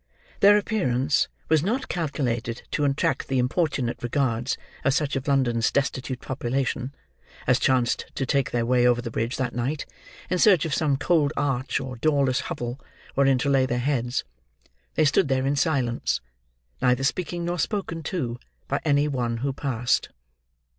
Their appearance was not calculated to attract the importunate regards of such of London's destitute population, as chanced to take their way over the bridge that night in search of some cold arch or doorless hovel wherein to lay their heads; they stood there in silence: neither speaking nor spoken to, by any one who passed.